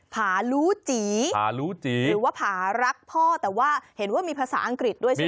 ผารู้จีผารู้จีหรือว่าผารักพ่อแต่ว่าเห็นว่ามีภาษาอังกฤษด้วยใช่ไหม